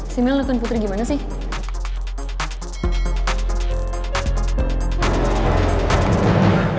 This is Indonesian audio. si mel neken putri gimana sih